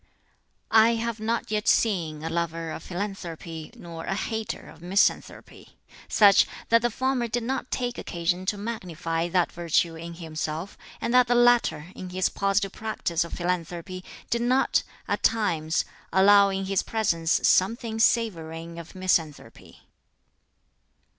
"I have not yet seen a lover of philanthropy, nor a hater of misanthropy such, that the former did not take occasion to magnify that virtue in himself, and that the latter, in his positive practice of philanthropy, did not, at times, allow in his presence something savoring of misanthropy.